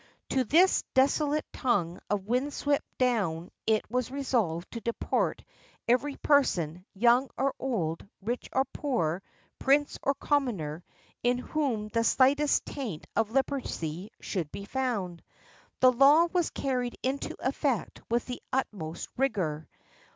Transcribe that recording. To this desolate tongue of wind swept down it was resolved to deport every person, young or old, rich or poor, prince or commoner, in whom the sHghtest taint of leprosy should be found. The law was carried into effect with the utmost rigor.